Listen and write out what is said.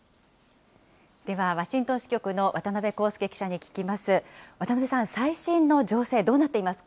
ではワシントン支局の渡辺公介記者に聞きます。